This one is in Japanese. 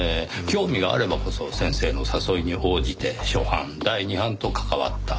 興味があればこそ先生の誘いに応じて初版第二版と関わった。